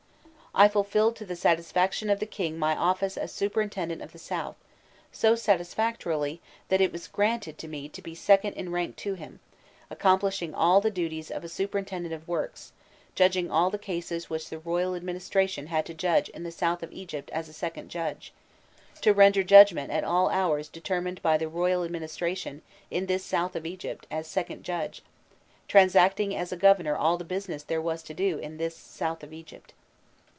I fulfilled to the satisfaction of the king my office as superintendent of the South, so satisfactorily, that it was granted to me to be second in rank to him, accomplishing all the duties of a superintendent of works, judging all the cases which the royal administration had to judge in the south of Egypt as second judge, to render judgment at all hours determined by the royal administration in this south of Egypt as second judge, transacting as a governor all the business there was to do in this south of Egypt."